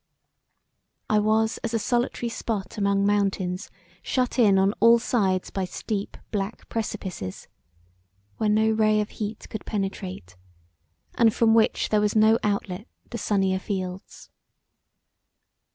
I was as a solitary spot among mountains shut in on all sides by steep black precipices; where no ray of heat could penetrate; and from which there was no outlet to sunnier fields.